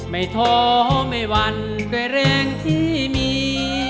ไม่ท้อไม่วันด้วยแรงที่มี